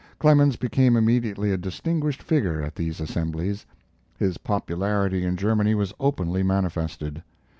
Clemens became immediately a distinguished figure at these assemblies. His popularity in Germany was openly manifested.